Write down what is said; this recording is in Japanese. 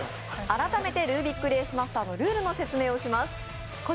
改めて「ルービックレースマスター」のルールの説明をします。